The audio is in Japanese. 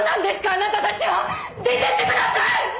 あなたたちは。出てってください！